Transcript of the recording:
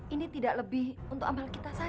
ini tidak lebih untuk amal kita saja